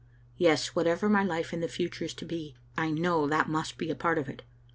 Yes, whatever my life in the future is to be, I know that must be a part of it.